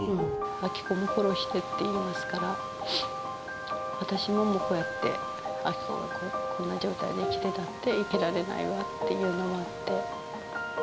明子も殺してって言いますから、私どももこうやって明子がこんな状態で生きてたって、生きられないわっていうのもあって。